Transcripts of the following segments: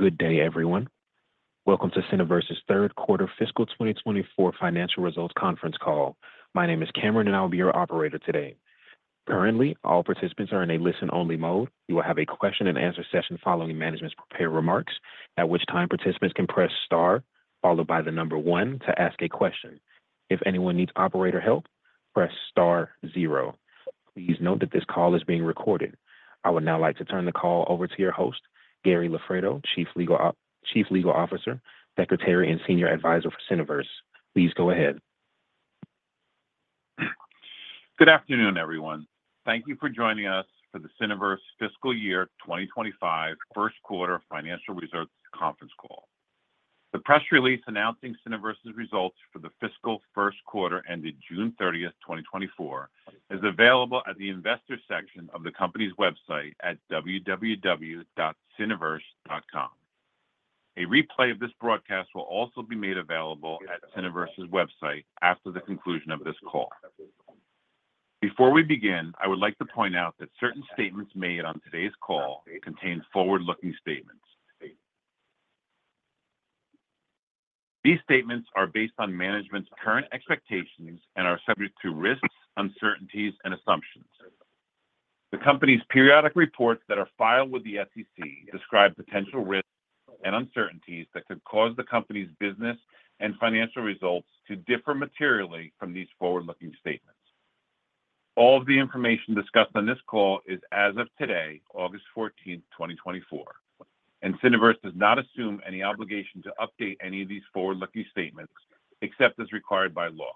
Good day, everyone. Welcome to Cineverse's third quarter fiscal 2024 financial results conference call. My name is Cameron, and I'll be your operator today. Currently, all participants are in a listen-only mode. We will have a question and answer session following management's prepared remarks, at which time participants can press Star followed by the number one to ask a question. If anyone needs operator help, press Star Zero. Please note that this call is being recorded. I would now like to turn the call over to your host, Gary Loffredo, Chief Legal Officer, Secretary, and Senior Advisor for Cineverse. Please go ahead. Good afternoon, everyone. Thank you for joining us for the Cineverse fiscal year 2025 first quarter financial results conference call. The press release announcing Cineverse's results for the fiscal first quarter ended June 30th, 2024, is available at the investor section of the company's website at www.cineverse.com. A replay of this broadcast will also be made available at Cineverse's website after the conclusion of this call. Before we begin, I would like to point out that certain statements made on today's call contain forward-looking statements. These statements are based on management's current expectations and are subject to risks, uncertainties, and assumptions. The company's periodic reports that are filed with the SEC describe potential risks and uncertainties that could cause the company's business and financial results to differ materially from these forward-looking statements. All of the information discussed on this call is as of today, August 14th, 2024, and Cineverse does not assume any obligation to update any of these forward-looking statements except as required by law.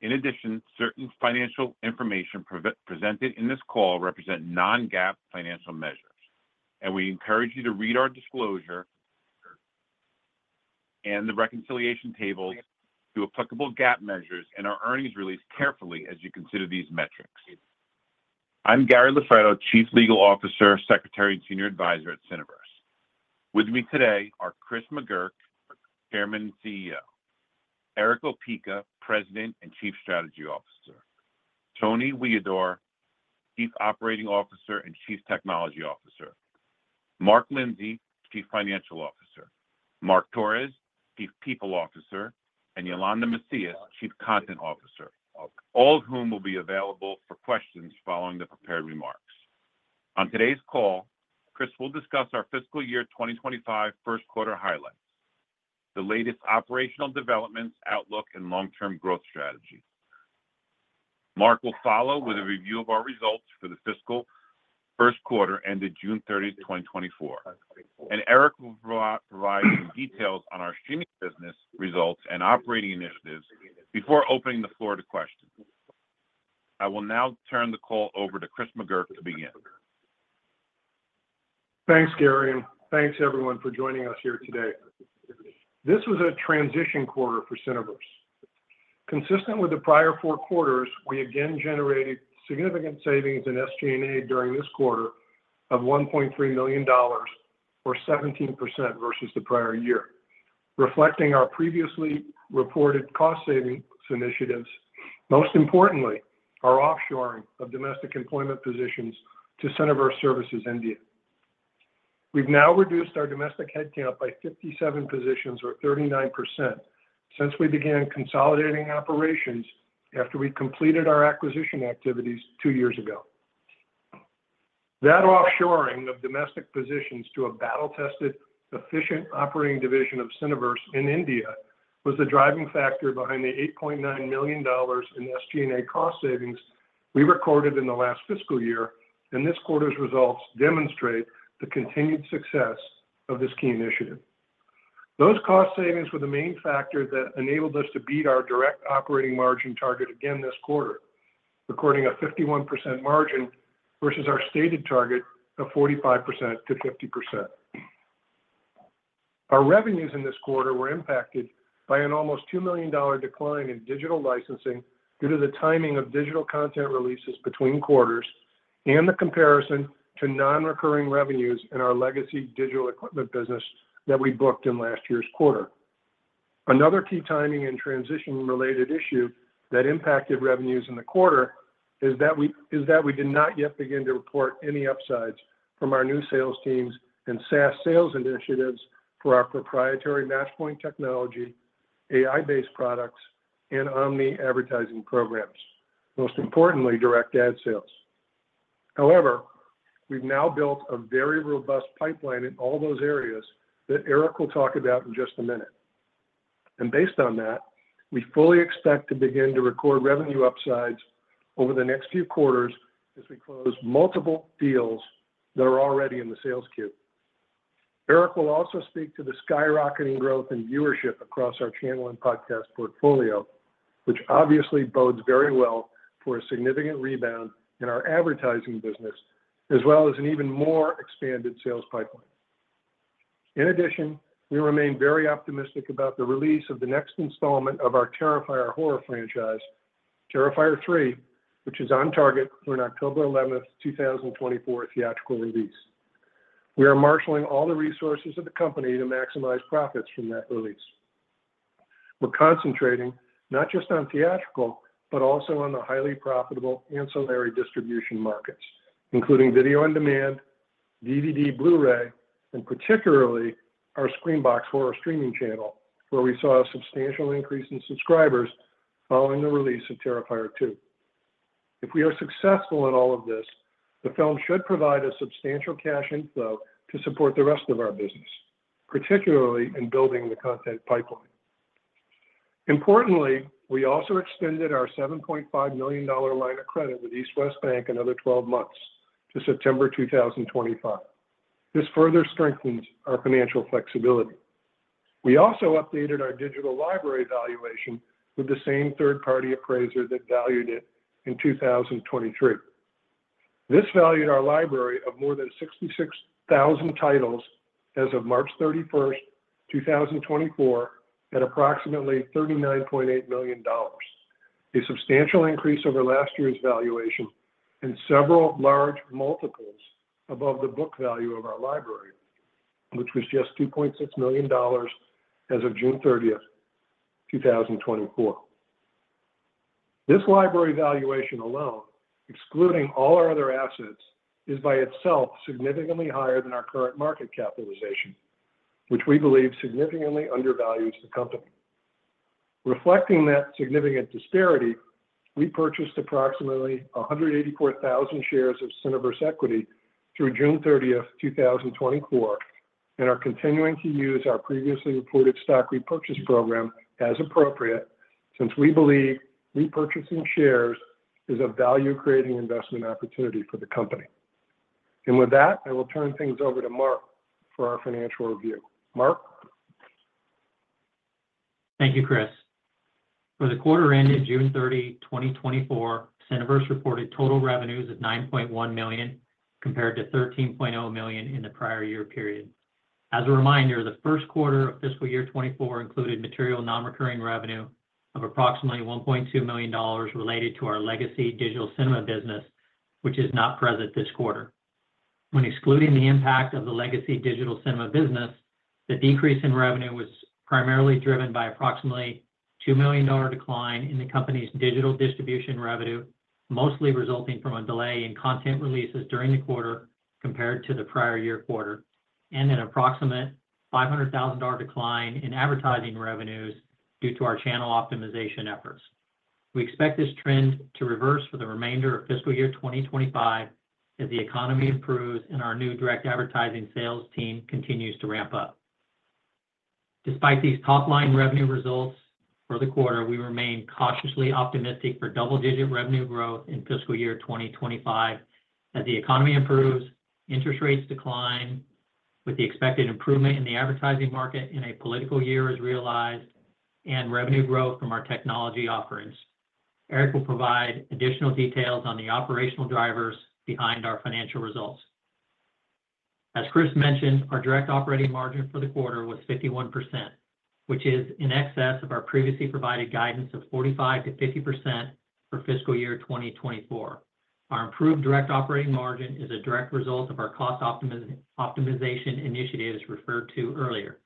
In addition, certain financial information presented in this call represent non-GAAP financial measures, and we encourage you to read our disclosure and the reconciliation table to applicable GAAP measures and our earnings release carefully as you consider these metrics. I'm Gary Loffredo, Chief Legal Officer, Secretary, and Senior Advisor at Cineverse. With me today are Chris McGurk, Chairman and CEO; Erick Opeka, President and Chief Strategy Officer; Tony Huidor, Chief Operating Officer and Chief Technology Officer; Mark Lindsey, Chief Financial Officer; Mark Torres, Chief People Officer; and Yolanda Macias, Chief Content Officer, all of whom will be available for questions following the prepared remarks. On today's call, Chris will discuss our fiscal year 2025 first quarter highlights, the latest operational developments, outlook, and long-term growth strategy. Mark will follow with a review of our results for the fiscal first quarter ended June 30, 2024, and Erick will provide details on our streaming business results and operating initiatives before opening the floor to questions. I will now turn the call over to Chris McGurk to begin. Thanks, Gary, and thanks, everyone, for joining us here today. This was a transition quarter for Cineverse. Consistent with the prior four quarters, we again generated significant savings in SG&A during this quarter of $1.3 million, or 17% versus the prior year, reflecting our previously reported cost savings initiatives, most importantly, our offshoring of domestic employment positions to Cineverse Services India. We've now reduced our domestic headcount by 57 positions or 39% since we began consolidating operations after we completed our acquisition activities two years ago. That offshoring of domestic positions to a battle-tested, efficient operating division of Cineverse in India was the driving factor behind the $8.9 million in SG&A cost savings we recorded in the last fiscal year, and this quarter's results demonstrate the continued success of this key initiative. Those cost savings were the main factor that enabled us to beat our direct operating margin target again this quarter, recording a 51% margin versus our stated target of 45%-50%. Our revenues in this quarter were impacted by an almost $2 million decline in digital licensing due to the timing of digital content releases between quarters and the comparison to non-recurring revenues in our legacy digital equipment business that we booked in last year's quarter. Another key timing and transition-related issue that impacted revenues in the quarter is that we did not yet begin to report any upsides from our new sales teams and SaaS sales initiatives for our proprietary Matchpoint technology, AI-based products, and omni-advertising programs, most importantly, direct ad sales. However, we've now built a very robust pipeline in all those areas that Erick will talk about in just a minute. And based on that, we fully expect to begin to record revenue upsides over the next few quarters as we close multiple deals that are already in the sales queue. Erick will also speak to the skyrocketing growth in viewership across our channel and podcast portfolio, which obviously bodes very well for a significant rebound in our advertising business, as well as an even more expanded sales pipeline. In addition, we remain very optimistic about the release of the next installment of our Terrifier horror franchise, Terrifier 3, which is on target for an October 11th, 2024, theatrical release. We are marshaling all the resources of the company to maximize profits from that release. We're concentrating not just on theatrical, but also on the highly profitable ancillary distribution markets, including video on demand, DVD, Blu-ray, and particularly our Screambox horror streaming channel, where we saw a substantial increase in subscribers following the release of Terrifier 2. If we are successful in all of this, the film should provide a substantial cash inflow to support the rest of our business, particularly in building the content pipeline. Importantly, we also extended our $7.5 million line of credit with East West Bank another 12 months to September 2025. This further strengthens our financial flexibility. We also updated our digital library valuation with the same third-party appraiser that valued it in 2023. This valued our library of more than 66,000 titles as of March 31, 2024, at approximately $39.8 million. A substantial increase over last year's valuation and several large multiples above the book value of our library, which was just $2.6 million as of June 30th, 2024. This library valuation alone, excluding all our other assets, is by itself significantly higher than our current market capitalization, which we believe significantly undervalues the company. Reflecting that significant disparity, we purchased approximately 184,000 shares of Cineverse equity through June 30th, 2024, and are continuing to use our previously reported stock repurchase program as appropriate, since we believe repurchasing shares is a value-creating investment opportunity for the company. And with that, I will turn things over to Mark for our financial review. Mark? Thank you, Chris. For the quarter ended June 30, 2024, Cineverse reported total revenues of $9.1 million, compared to $13.0 million in the prior year period. As a reminder, the first quarter of fiscal year 2024 included material non-recurring revenue of approximately $1.2 million related to our legacy digital cinema business, which is not present this quarter. When excluding the impact of the legacy digital cinema business, the decrease in revenue was primarily driven by approximately $2 million decline in the company's digital distribution revenue, mostly resulting from a delay in content releases during the quarter compared to the prior year quarter, and an approximate $500,000 decline in advertising revenues due to our channel optimization efforts. We expect this trend to reverse for the remainder of fiscal year 2025 as the economy improves and our new direct advertising sales team continues to ramp up. Despite these top-line revenue results for the quarter, we remain cautiously optimistic for double-digit revenue growth in fiscal year 2025 as the economy improves, interest rates decline, with the expected improvement in the advertising market in a political year is realized, and revenue growth from our technology offerings. Erick will provide additional details on the operational drivers behind our financial results. As Chris mentioned, our direct operating margin for the quarter was 51%, which is in excess of our previously provided guidance of 45%-50% for fiscal year 2024. Our improved direct operating margin is a direct result of our cost optimization initiatives referred to earlier.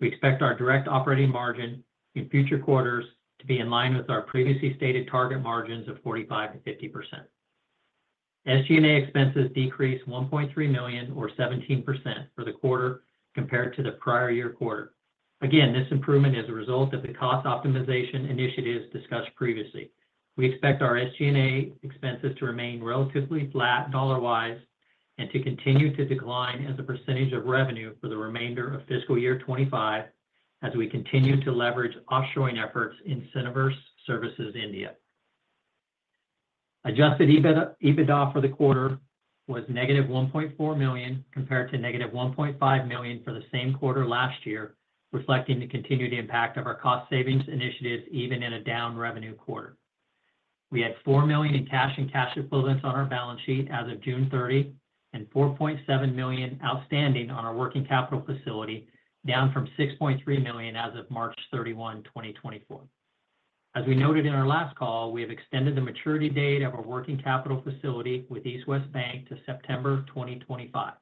We expect our direct operating margin in future quarters to be in line with our previously stated target margins of 45%-50%. SG&A expenses decreased $1.3 million, or 17%, for the quarter compared to the prior year quarter. Again, this improvement is a result of the cost optimization initiatives discussed previously. We expect our SG&A expenses to remain relatively flat dollar-wise, and to continue to decline as a percentage of revenue for the remainder of fiscal year 2025 as we continue to leverage offshoring efforts in Cineverse Services India. Adjusted EBITDA for the quarter was -$1.4 million, compared to -$1.5 million for the same quarter last year, reflecting the continued impact of our cost savings initiatives, even in a down revenue quarter. We had $4 million in cash and cash equivalents on our balance sheet as of June 30, and $4.7 million outstanding on our working capital facility, down from $6.3 million as of March 31, 2024. As we noted in our last call, we have extended the maturity date of our working capital facility with East West Bank to September 2025.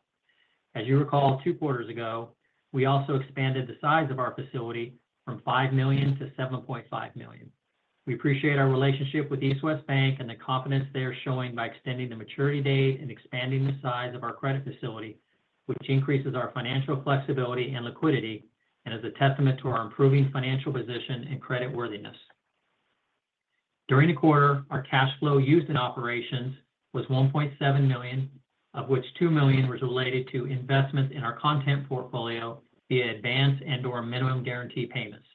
As you recall, two quarters ago, we also expanded the size of our facility from $5 million to $7.5 million. We appreciate our relationship with East West Bank and the confidence they are showing by extending the maturity date and expanding the size of our credit facility, which increases our financial flexibility and liquidity and is a testament to our improving financial position and credit worthiness. During the quarter, our cash flow used in operations was $1.7 million, of which $2 million was related to investments in our content portfolio via advance and/or minimum guarantee payments.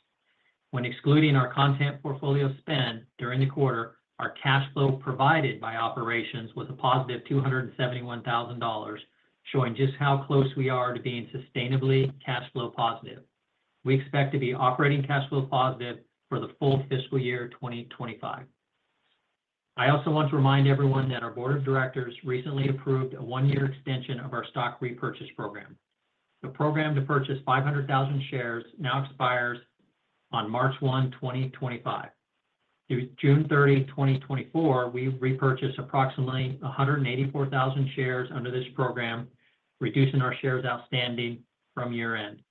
When excluding our content portfolio spend during the quarter, our cash flow provided by operations was a +$271,000, showing just how close we are to being sustainably cash flow positive. We expect to be operating cash flow positive for the full fiscal year 2025. I also want to remind everyone that our board of directors recently approved a one-year extension of our stock repurchase program. The program to purchase 500,000 shares now expires on March 1, 2025. Through June 30, 2024, we've repurchased approximately 184,000 shares under this program, reducing our shares outstanding from year-end.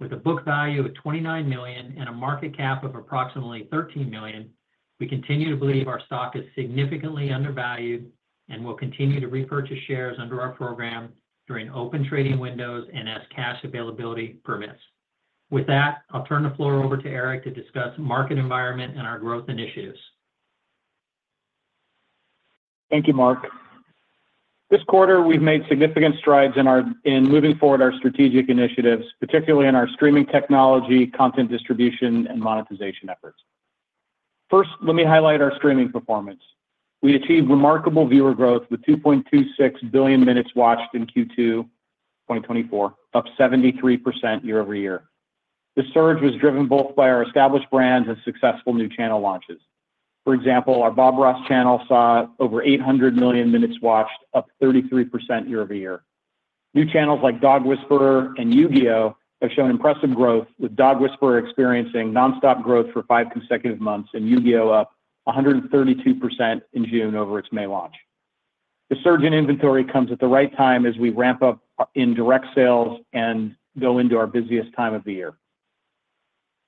With a book value of $29 million and a market cap of approximately $13 million, we continue to believe our stock is significantly undervalued, and we'll continue to repurchase shares under our program during open trading windows and as cash availability permits. With that, I'll turn the floor over to Erick to discuss market environment and our growth initiatives. Thank you, Mark. This quarter, we've made significant strides in moving forward our strategic initiatives, particularly in our streaming technology, content distribution, and monetization efforts. First, let me highlight our streaming performance. We achieved remarkable viewer growth, with 2.26 billion minutes watched in Q2 2024, up 73% year-over-year. The surge was driven both by our established brands and successful new channel launches. For example, our Bob Ross channel saw over 800 million minutes watched, up 33% year-over-year. New channels like Dog Whisperer and Yu-Gi-Oh! have shown impressive growth, with Dog Whisperer experiencing nonstop growth for five consecutive months, and Yu-Gi-Oh! up 132% in June over its May launch. The surge in inventory comes at the right time as we ramp up in direct sales and go into our busiest time of the year.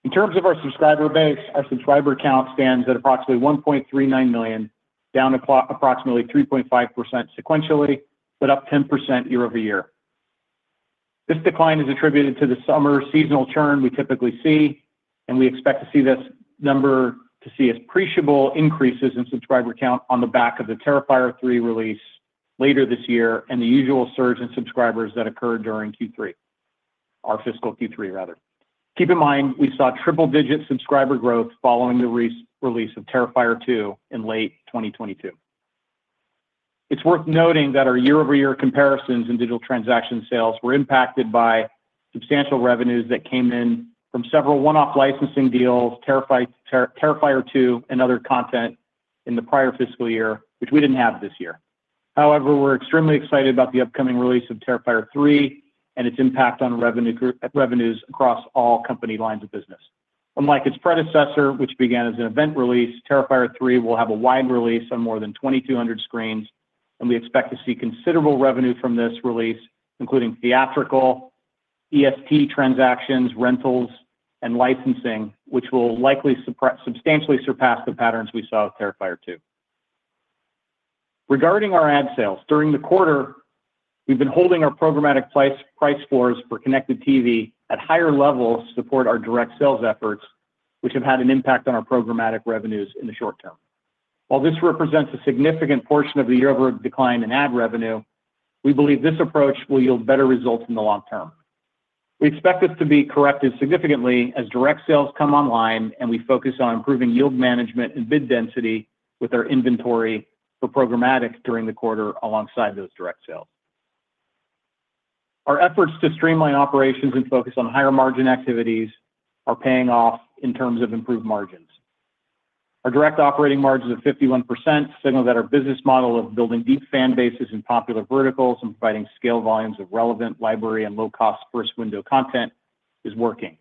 In terms of our subscriber base, our subscriber count stands at approximately 1.39 million, down approximately 3.5% sequentially, but up 10% year-over-year. This decline is attributed to the summer seasonal churn we typically see, and we expect to see this number to see appreciable increases in subscriber count on the back of the Terrifier 3 release later this year and the usual surge in subscribers that occur during Q3, our fiscal Q3, rather. Keep in mind, we saw triple-digit subscriber growth following the release of Terrifier 2 in late 2022. It's worth noting that our year-over-year comparisons in digital transaction sales were impacted by substantial revenues that came in from several one-off licensing deals, Terrifier 2 and other content in the prior fiscal year, which we didn't have this year. However, we're extremely excited about the upcoming release of Terrifier 3 and its impact on revenues across all company lines of business. Unlike its predecessor, which began as an event release, Terrifier 3 will have a wide release on more than 2,200 screens, and we expect to see considerable revenue from this release, including theatrical, EST transactions, rentals, and licensing, which will likely substantially surpass the patterns we saw with Terrifier 2. Regarding our ad sales, during the quarter, we've been holding our programmatic price, price floors for connected TV at higher levels to support our direct sales efforts, which have had an impact on our programmatic revenues in the short term. While this represents a significant portion of the year-over-year decline in ad revenue, we believe this approach will yield better results in the long term. We expect this to be corrected significantly as direct sales come online and we focus on improving yield management and bid density with our inventory for programmatic during the quarter alongside those direct sales. Our efforts to streamline operations and focus on higher-margin activities are paying off in terms of improved margins. Our direct operating margins of 51% signal that our business model of building deep fan bases in popular verticals and providing scale volumes of relevant library and low-cost first-window content is working.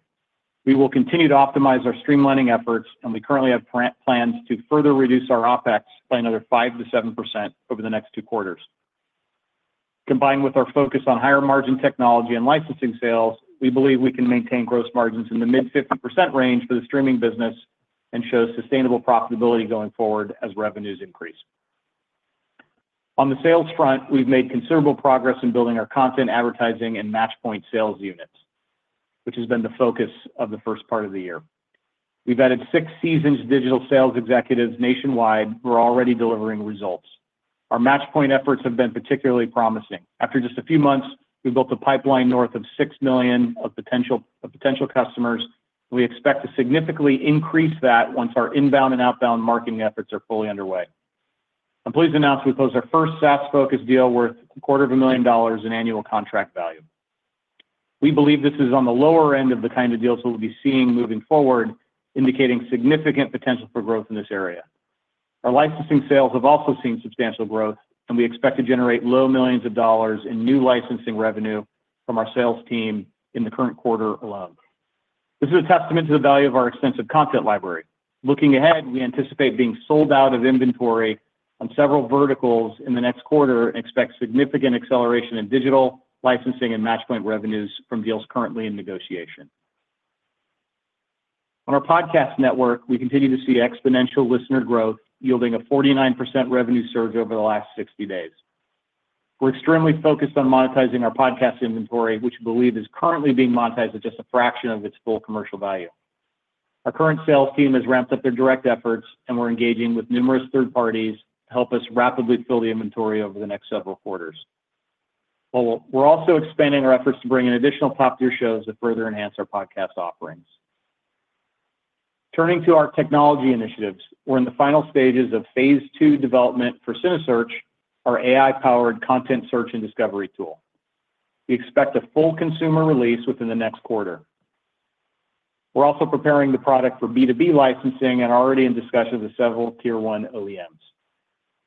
We will continue to optimize our streamlining efforts, and we currently have plans to further reduce our OpEx by another 5%-7% over the next two quarters. Combined with our focus on higher-margin technology and licensing sales, we believe we can maintain gross margins in the mid-50% range for the streaming business and show sustainable profitability going forward as revenues increase. On the sales front, we've made considerable progress in building our content advertising and Matchpoint sales units, which has been the focus of the first part of the year. We've added six seasoned digital sales executives nationwide who are already delivering results. Our Matchpoint efforts have been particularly promising. After just a few months, we built a pipeline north of 6 million potential customers. We expect to significantly increase that once our inbound and outbound marketing efforts are fully underway. I'm pleased to announce we closed our first SaaS-focused deal worth $250,000 in annual contract value. We believe this is on the lower end of the kind of deals that we'll be seeing moving forward, indicating significant potential for growth in this area. Our licensing sales have also seen substantial growth, and we expect to generate low millions of dollars in new licensing revenue from our sales team in the current quarter alone. This is a testament to the value of our extensive content library. Looking ahead, we anticipate being sold out of inventory on several verticals in the next quarter and expect significant acceleration in digital licensing and Matchpoint revenues from deals currently in negotiation. On our podcast network, we continue to see exponential listener growth, yielding a 49% revenue surge over the last 60 days. We're extremely focused on monetizing our podcast inventory, which we believe is currently being monetized at just a fraction of its full commercial value. Our current sales team has ramped up their direct efforts, and we're engaging with numerous third parties to help us rapidly fill the inventory over the next several quarters. Well, we're also expanding our efforts to bring in additional top-tier shows to further enhance our podcast offerings. Turning to our technology initiatives, we're in the final stages of phase two development for cineSearch, our AI-powered content search and discovery tool. We expect a full consumer release within the next quarter. We're also preparing the product for B2B licensing and are already in discussions with several tier one OEMs....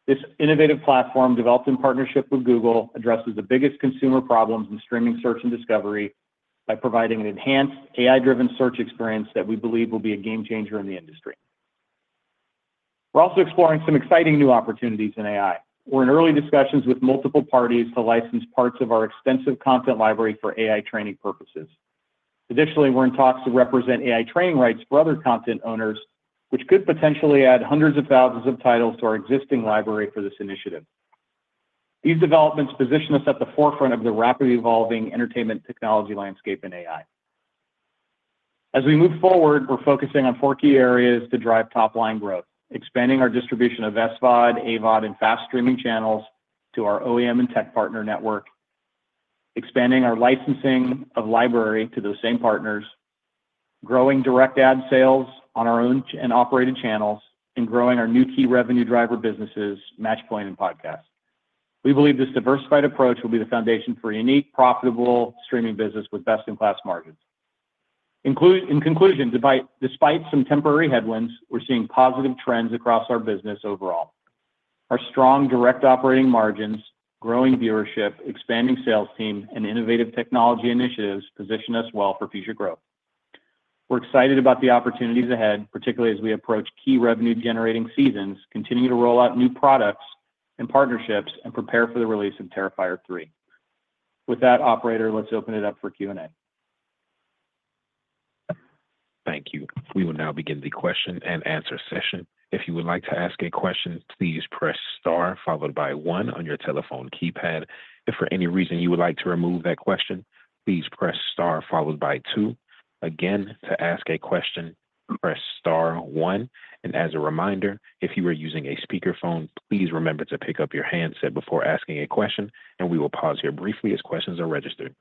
This innovative platform, developed in partnership with Google, addresses the biggest consumer problems in streaming search and discovery by providing an enhanced AI-driven search experience that we believe will be a game changer in the industry. We're also exploring some exciting new opportunities in AI. We're in early discussions with multiple parties to license parts of our extensive content library for AI training purposes. Additionally, we're in talks to represent AI training rights for other content owners, which could potentially add hundreds of thousands of titles to our existing library for this initiative. These developments position us at the forefront of the rapidly evolving entertainment technology landscape in AI. As we move forward, we're focusing on four key areas to drive top-line growth: expanding our distribution of SVOD, AVOD, and FAST streaming channels to our OEM and tech partner network, expanding our licensing of library to those same partners, growing direct ad sales on our own channels and operating channels, and growing our new key revenue driver businesses, Matchpoint and Podcast. We believe this diversified approach will be the foundation for a unique, profitable streaming business with best-in-class margins. In conclusion, despite some temporary headwinds, we're seeing positive trends across our business overall. Our strong direct operating margins, growing viewership, expanding sales team, and innovative technology initiatives position us well for future growth. We're excited about the opportunities ahead, particularly as we approach key revenue-generating seasons, continue to roll out new products and partnerships, and prepare for the release of Terrifier 3. With that, operator, let's open it up for Q&A. Thank you. We will now begin the question-and-answer session. If you would like to ask a question, please press star followed by one on your telephone keypad. If for any reason you would like to remove that question, please press star followed by two. Again, to ask a question, press star one. As a reminder, if you are using a speakerphone, please remember to pick up your handset before asking a question, and we will pause here briefly as questions are registered.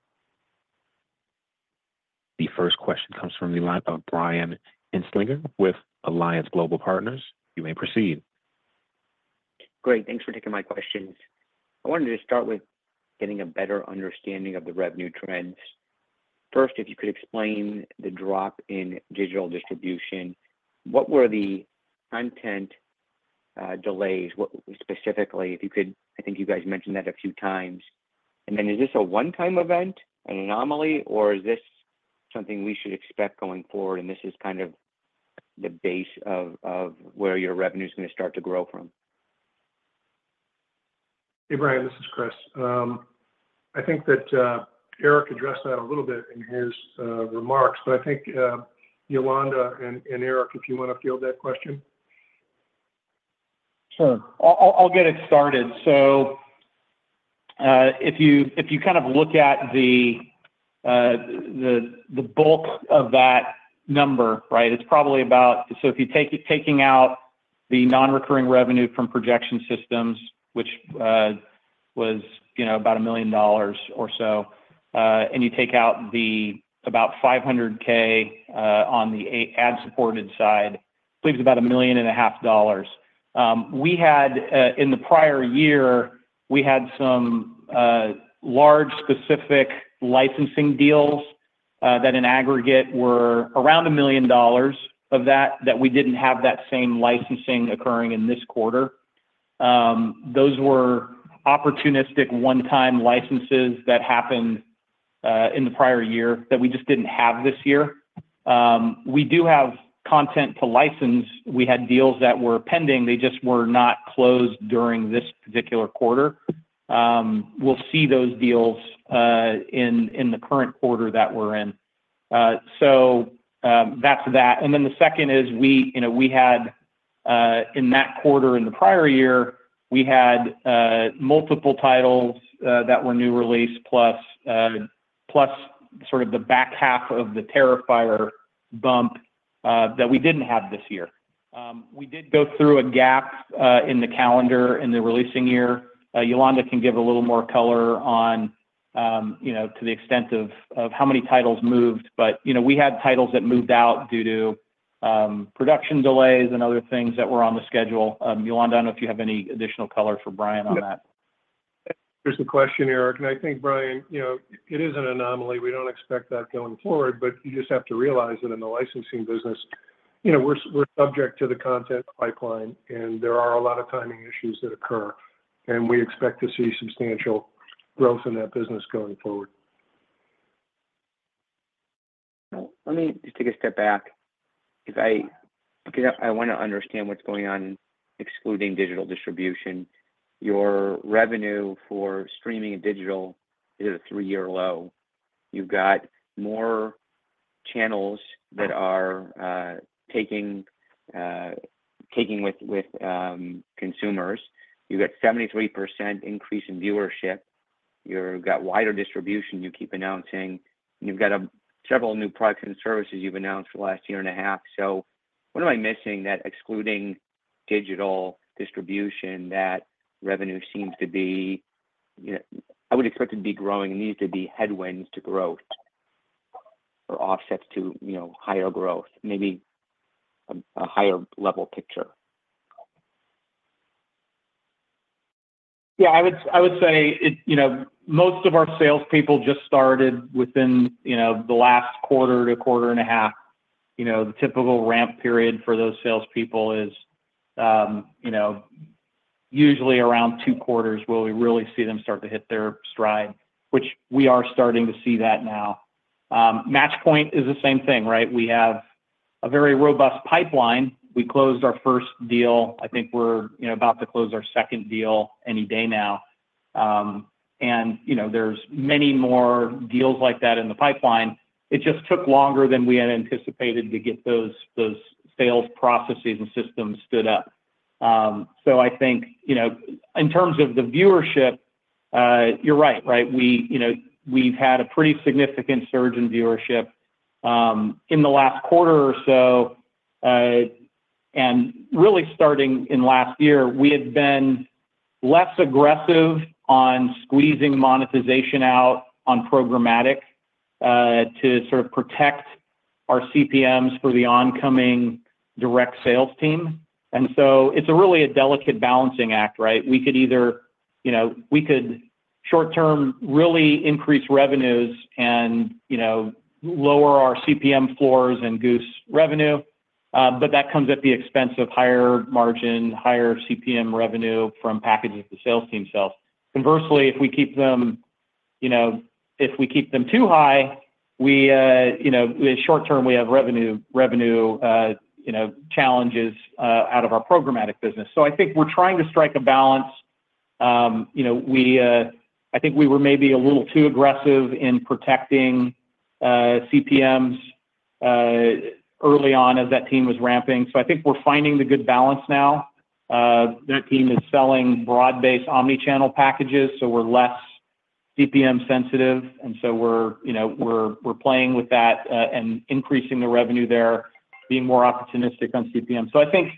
The first question comes from the line of Brian Kinstlinger with Alliance Global Partners. You may proceed. Great. Thanks for taking my questions. I wanted to start with getting a better understanding of the revenue trends. First, if you could explain the drop in digital distribution, what were the content delays? What specifically, if you could, I think you guys mentioned that a few times. And then, is this a one-time event, an anomaly, or is this something we should expect going forward, and this is kind of the base of where your revenue is going to start to grow from? Hey, Brian, this is Chris. I think that Erick addressed that a little bit in his remarks, but I think Yolanda and Erick, if you want to field that question. Sure. I'll get it started. So, if you kind of look at the bulk of that number, right, it's probably about. So if you take out the nonrecurring revenue from projection systems, which was, you know, about $1 million or so, and you take out the about $500,000 on the ad-supported side, leaves about $1.5 million. We had, in the prior year, we had some large specific licensing deals that in aggregate were around $1 million. Of that, that we didn't have that same licensing occurring in this quarter. Those were opportunistic one-time licenses that happened in the prior year that we just didn't have this year. We do have content to license. We had deals that were pending. They just were not closed during this particular quarter. We'll see those deals in the current quarter that we're in. So, that's that. And then the second is we, you know, we had in that quarter in the prior year, we had multiple titles that were new release, plus sort of the back half of the Terrifier bump that we didn't have this year. We did go through a gap in the calendar in the releasing year. Yolanda can give a little more color on, you know, to the extent of how many titles moved, but, you know, we had titles that moved out due to production delays and other things that were on the schedule. Yolanda, I don't know if you have any additional color for Brian on that. There's the question, Erick, and I think, Brian, you know, it is an anomaly. We don't expect that going forward, but you just have to realize that in the licensing business, you know, we're, we're subject to the content pipeline, and there are a lot of timing issues that occur, and we expect to see substantial growth in that business going forward. Let me just take a step back, because I want to understand what's going on, excluding digital distribution. Your revenue for streaming and digital is a three-year low. You've got more channels that are taking with consumers. You've got 73% increase in viewership. You've got wider distribution you keep announcing. You've got several new products and services you've announced the last year and a half. So what am I missing that excluding digital distribution, that revenue seems to be, you know, I would expect it to be growing. It needs to be headwinds to growth or offsets to, you know, higher growth, maybe a higher level picture. ... Yeah, I would, I would say it, you know, most of our salespeople just started within, you know, the last quarter to quarter and a half. You know, the typical ramp period for those salespeople is, you know, usually around two quarters where we really see them start to hit their stride, which we are starting to see that now. Matchpoint is the same thing, right? We have a very robust pipeline. We closed our first deal. I think we're, you know, about to close our second deal any day now. And, you know, there's many more deals like that in the pipeline. It just took longer than we had anticipated to get those, those sales processes and systems stood up. So I think, you know, in terms of the viewership, you're right, right? We, you know, we've had a pretty significant surge in viewership in the last quarter or so, and really starting in last year, we had been less aggressive on squeezing monetization out on programmatic to sort of protect our CPMs for the oncoming direct sales team. And so it's a really a delicate balancing act, right? We could either- you know, we could short term, really increase revenues and, you know, lower our CPM floors and goose revenue, but that comes at the expense of higher margin, higher CPM revenue from packages the sales team sells. Conversely, if we keep them, you know, if we keep them too high, we, you know, short term, we have revenue, revenue, you know, challenges out of our programmatic business. So I think we're trying to strike a balance. You know, we... I think we were maybe a little too aggressive in protecting CPMs early on as that team was ramping. So I think we're finding the good balance now. Their team is selling broad-based omni-channel packages, so we're less CPM sensitive, and so we're, you know, we're playing with that and increasing the revenue there, being more opportunistic on CPM. So I think,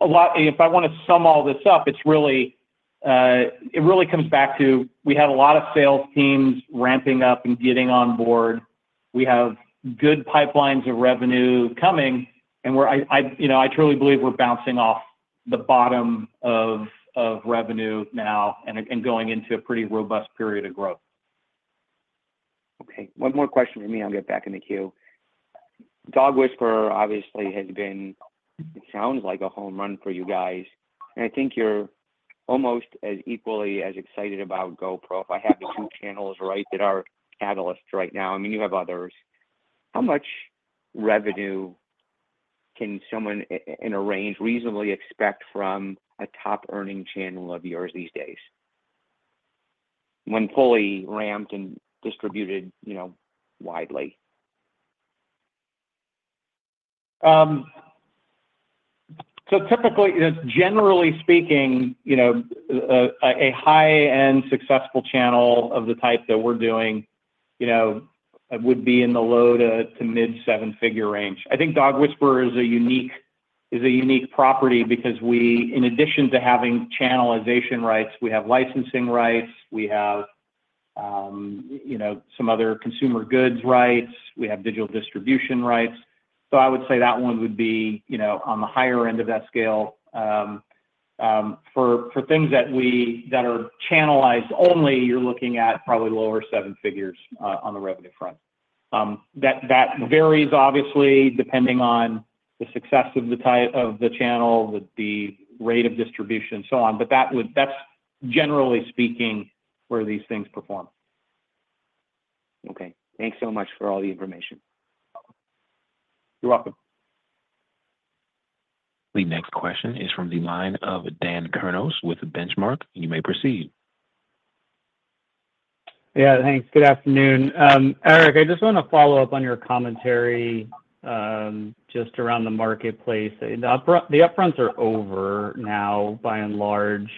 if I want to sum all this up, it's really, it really comes back to we have a lot of sales teams ramping up and getting on board. We have good pipelines of revenue coming, and we're, you know, I truly believe we're bouncing off the bottom of revenue now and going into a pretty robust period of growth. Okay, one more question from me. I'll get back in the queue. Dog Whisperer obviously has been, it sounds like a home run for you guys, and I think you're almost as equally as excited about GoPro. If I have the two channels right, that are catalysts right now. I mean, you have others. How much revenue can someone in a range reasonably expect from a top-earning channel of yours these days when fully ramped and distributed, you know, widely? So typically, you know, generally speaking, you know, a high-end successful channel of the type that we're doing, you know, would be in the low- to mid-7-figure range. I think Dog Whisperer is a unique property because we, in addition to having channelization rights, we have licensing rights, we have, you know, some other consumer goods rights, we have digital distribution rights. So I would say that one would be, you know, on the higher end of that scale. For things that are channelized only, you're looking at probably lower seven figures, on the revenue front. That varies obviously, depending on the success of the type of the channel, the rate of distribution and so on. But that's generally speaking, where these things perform. Okay. Thanks so much for all the information. You're welcome. The next question is from the line of Dan Kurnos with Benchmark. You may proceed. Yeah, thanks. Good afternoon. Erick, I just want to follow up on your commentary, just around the marketplace. The up front, the upfronts are over now, by and large.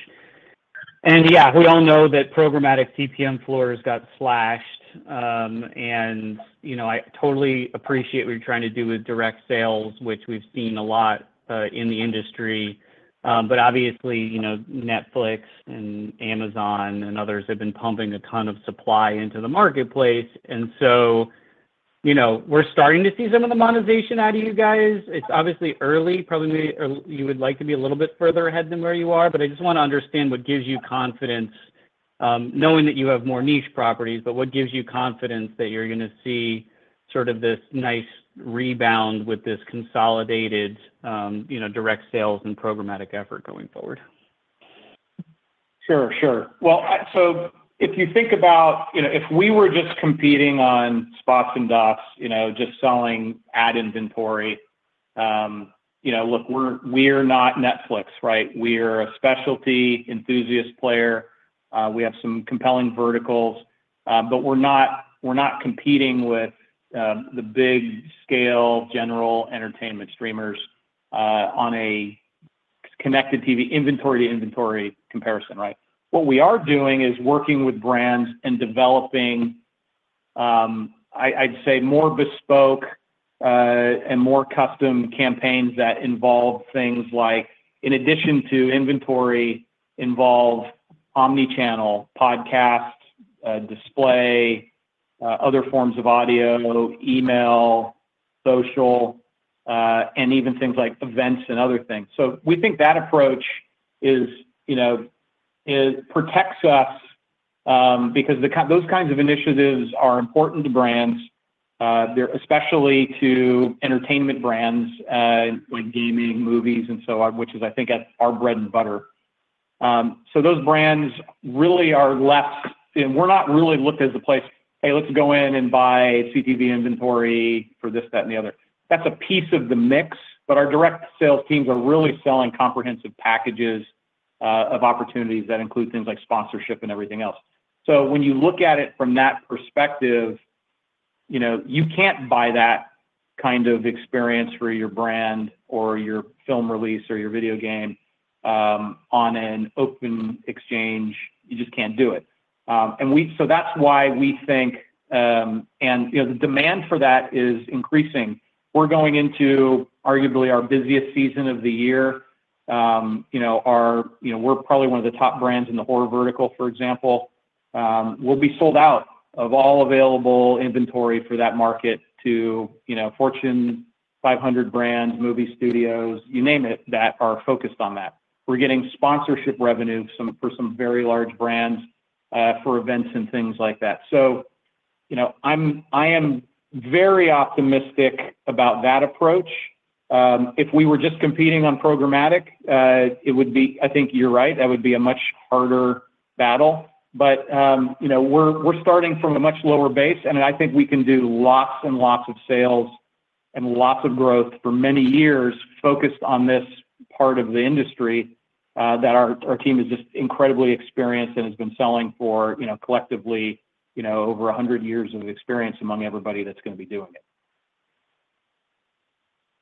And yeah, we all know that programmatic CPM floors got slashed. And, you know, I totally appreciate what you're trying to do with direct sales, which we've seen a lot, in the industry. But obviously, you know, Netflix and Amazon and others have been pumping a ton of supply into the marketplace, and so, you know, we're starting to see some of the monetization out of you guys. It's obviously early. Probably, you would like to be a little bit further ahead than where you are, but I just want to understand what gives you confidence, knowing that you have more niche properties, but what gives you confidence that you're gonna see sort of this nice rebound with this consolidated, you know, direct sales and programmatic effort going forward? Sure, sure. Well, so if you think about, you know, if we were just competing on spots and docs, you know, just selling ad inventory, you know, look, we're, we're not Netflix, right? We're a specialty enthusiast player. We have some compelling verticals, but we're not, we're not competing with the big-scale general entertainment streamers, on a connected TV inventory to inventory comparison, right? What we are doing is working with brands and developing, I, I'd say, more bespoke, and more custom campaigns that involve things like, in addition to inventory, involve omni-channel, podcasts, display, other forms of audio, email, social, and even things like events and other things. So we think that approach is, you know, protects us, because those kinds of initiatives are important to brands, they're especially to entertainment brands, like gaming, movies, and so on, which is, I think, as our bread and butter. So those brands really are less and we're not really looked as the place, "Hey, let's go in and buy CTV inventory for this, that, and the other." That's a piece of the mix, but our direct sales teams are really selling comprehensive packages of opportunities that include things like sponsorship and everything else. So when you look at it from that perspective, you know, you can't buy that kind of experience for your brand or your film release or your video game on an open exchange. You just can't do it. And so that's why we think. You know, the demand for that is increasing. We're going into, arguably, our busiest season of the year. You know, we're probably one of the top brands in the horror vertical, for example. We'll be sold out of all available inventory for that market to, you know, Fortune 500 brands, movie studios, you name it, that are focused on that. We're getting sponsorship revenue for some very large brands for events and things like that. So, you know, I am very optimistic about that approach. If we were just competing on programmatic, I think you're right, that would be a much harder battle. But, you know, we're starting from a much lower base, and I think we can do lots and lots of sales and lots of growth for many years, focused on this part of the industry, that our team is just incredibly experienced and has been selling for, you know, collectively, you know, over 100 years of experience among everybody that's gonna be doing it.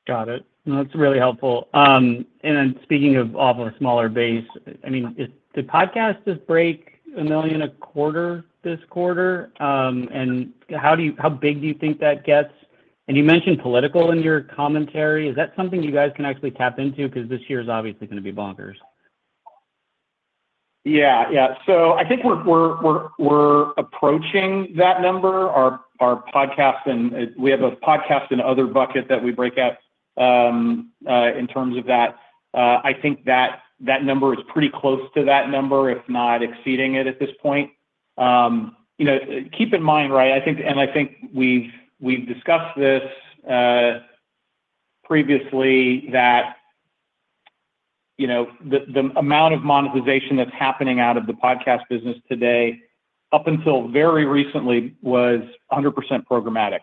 Got it. No, that's really helpful. And then speaking of off a smaller base, I mean, did podcasts just break 1,250,000 this quarter? And how big do you think that gets? And you mentioned political in your commentary. Is that something you guys can actually tap into? Because this year is obviously gonna be bonkers. Yeah. Yeah. So I think we're approaching that number. Our podcast, and we have a podcast and other bucket that we break out in terms of that. I think that number is pretty close to that number, if not exceeding it at this point. You know, keep in mind, right, I think- and I think we've discussed this previously, that you know, the amount of monetization that's happening out of the podcast business today, up until very recently, was 100% programmatic.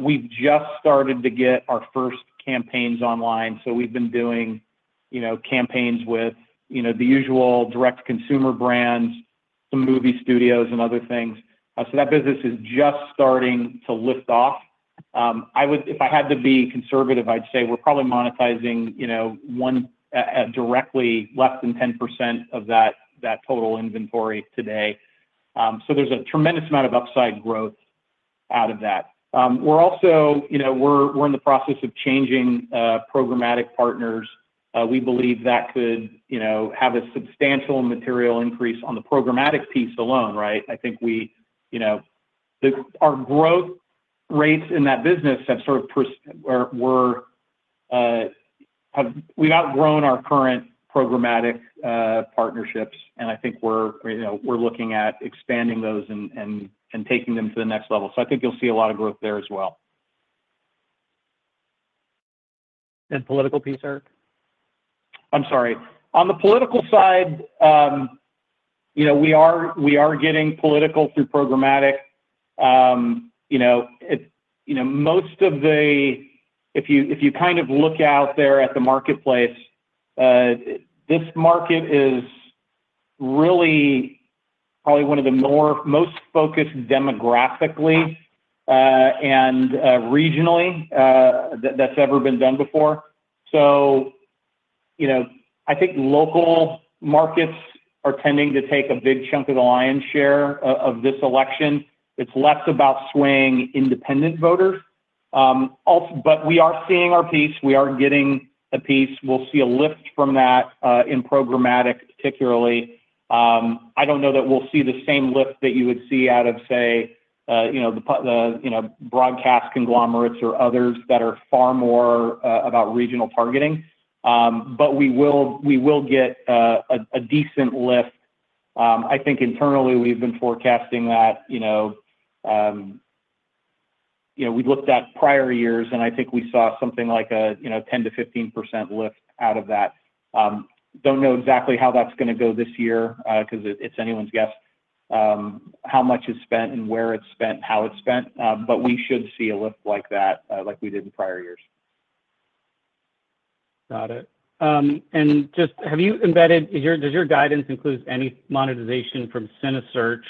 We've just started to get our first campaigns online, so we've been doing campaigns with the usual direct consumer brands, some movie studios, and other things. So that business is just starting to lift off. I would, if I had to be conservative, I'd say we're probably monetizing, you know, 1 directly less than 10% of that total inventory today. So there's a tremendous amount of upside growth out of that. We're also, you know, in the process of changing programmatic partners. We believe that could, you know, have a substantial material increase on the programmatic piece alone, right? I think, you know, our growth rates in that business have sort of. We've outgrown our current programmatic partnerships, and I think we're, you know, looking at expanding those and taking them to the next level. So I think you'll see a lot of growth there as well. Political piece, Erick? I'm sorry. On the political side, you know, we are getting political through programmatic. You know, most of the... if you kind of look out there at the marketplace, this market is really probably one of the most focused demographically and regionally that that's ever been done before. So, you know, I think local markets are tending to take a big chunk of the lion's share of this election. It's less about swaying independent voters. But we are seeing our piece, we are getting a piece. We'll see a lift from that in programmatic, particularly. I don't know that we'll see the same lift that you would see out of, say, you know, the, you know, broadcast conglomerates or others that are far more about regional targeting. But we will get a decent lift. I think internally, we've been forecasting that, you know, you know, we looked at prior years, and I think we saw something like, you know, 10%-15% lift out of that. Don't know exactly how that's gonna go this year, because it's anyone's guess, how much is spent and where it's spent, how it's spent. But we should see a lift like that, like we did in prior years. Got it. And just does your guidance includes any monetization from cineSearch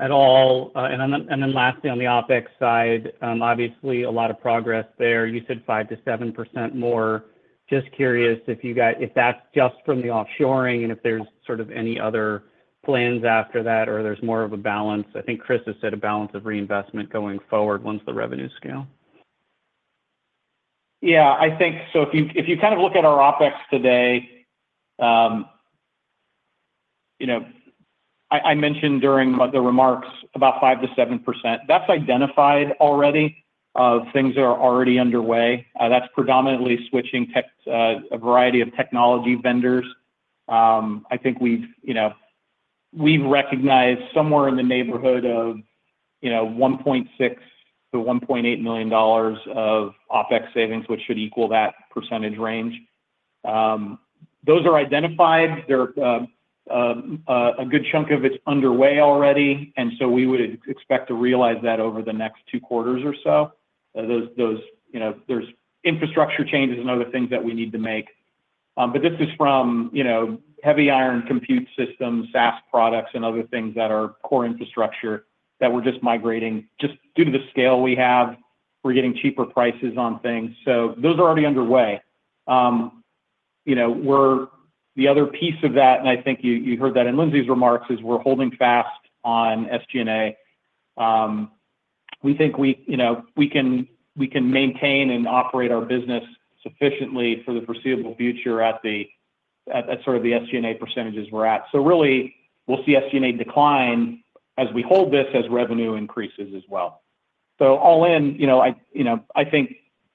at all? And then lastly, on the OpEx side, obviously, a lot of progress there. You said 5%-7% more. Just curious if that's just from the offshoring, and if there's sort of any other plans after that, or there's more of a balance. I think Chris has said a balance of reinvestment going forward once the revenues scale.... Yeah, I think so if you kind of look at our OpEx today, you know, I mentioned during the remarks about 5%-7%. That's identified already, things that are already underway. That's predominantly switching tech, a variety of technology vendors. I think we've, you know, we've recognized somewhere in the neighborhood of, you know, $1.6 million-$1.8 million of OpEx savings, which should equal that percentage range. Those are identified. They're a good chunk of it's underway already, and so we would expect to realize that over the next two quarters or so. Those, you know, there's infrastructure changes and other things that we need to make. But this is from, you know, heavy iron compute systems, SaaS products, and other things that are core infrastructure that we're just migrating. Just due to the scale we have, we're getting cheaper prices on things, so those are already underway. You know, we're, the other piece of that, and I think you, you heard that in Lindsey's remarks, is we're holding fast on SG&A. We think we, you know, we can, we can maintain and operate our business sufficiently for the foreseeable future at the, at, at sort of the SG&A percentages we're at. So really, we'll see SG&A decline as we hold this, as revenue increases as well. So all in, you know, I, you know, I think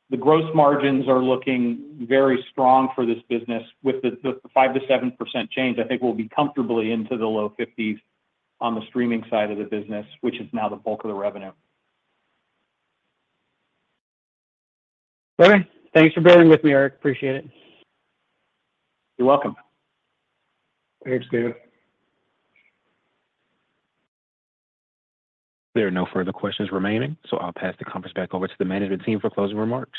the gross margins are looking very strong for this business. With the 5%-7% change, I think we'll be comfortably into the low fifties on the streaming side of the business, which is now the bulk of the revenue. Okay. Thanks for bearing with me, Erick. Appreciate it. You're welcome. Thanks, David. There are no further questions remaining, so I'll pass the conference back over to the management team for closing remarks.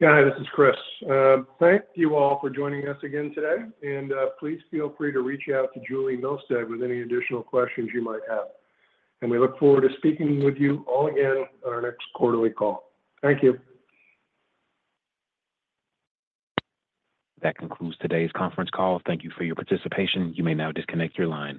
Yeah. Hi, this is Chris. Thank you all for joining us again today, and please feel free to reach out to Julie Milstead with any additional questions you might have. We look forward to speaking with you all again on our next quarterly call. Thank you. That concludes today's conference call. Thank you for your participation. You may now disconnect your line.